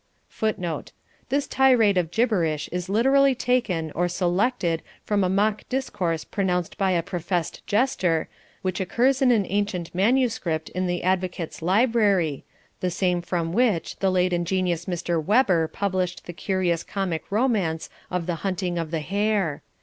[Footnote: This tirade of gibberish is literally taken or selected from a mock discourse pronounced by a professed jester, which occurs in an ancient manuscript in the Advocates' Library, the same from which the late ingenious Mr. Weber published the curious comic romance of the Hunting of the Hare.